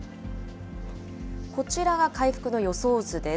こちらが回復の予想図です。